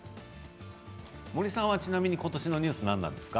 森さんはちなみにことしのニュースは何なんですか。